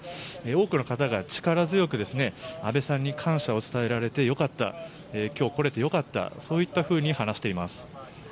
多くの方が力強く、安倍さんに感謝を伝えられてよかった今日来れてよかったそういうふうに話しています。